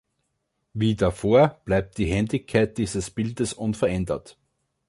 Wie davor bleibt die Händigkeit dieses Bildes unverändert.